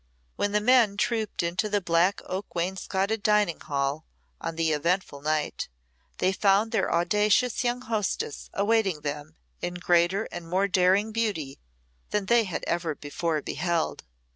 When the men trooped into the black oak wainscotted dining hall on the eventful night, they found their audacious young hostess awaiting them in greater and more daring beauty than they had ever before beheld.